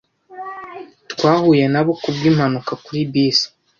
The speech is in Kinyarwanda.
Twahuye nabo kubwimpanuka kuri bisi.